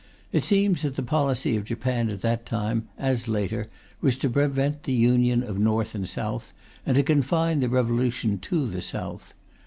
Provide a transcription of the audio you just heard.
It seems that the policy of Japan at that time, as later, was to prevent the union of North and South, and to confine the revolution to the South.